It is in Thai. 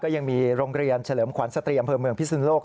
ยังมีโรงเรียนเฉลิมขวัญสตรีอำเภอเมืองพิสุนโลก